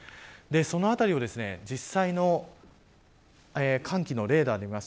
そのあたりを実際の寒気レーダーで見てみます。